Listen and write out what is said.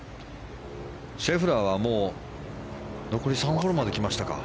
シェフラーはもう残り３ホールまで来ましたか。